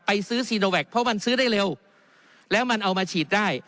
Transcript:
ซื้อซีโนแวคเพราะมันซื้อได้เร็วแล้วมันเอามาฉีดได้